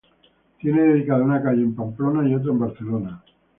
Tiene dedicada una calle en Pamplona, y otra en Barcelona.